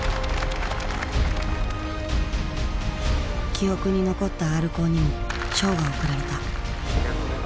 記憶に残ったＲコーにも賞が贈られた。